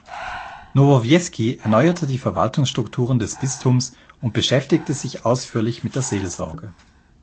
Nowowiejski erneuerte die Verwaltungsstrukturen des Bistums und beschäftigte sich ausführlich mit der Seelsorge.